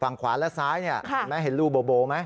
ฝั่งขวาและซ้ายเห็นรูโบวไหม